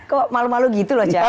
kok malu malu gitu loh